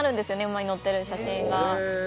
馬に乗っている写真が。